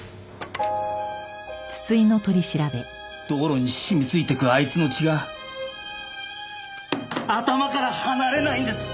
道路に染みついていくあいつの血が頭から離れないんです！